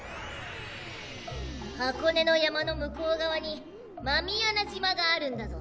箱根の山の向こう側に狸穴島があるんだゾ。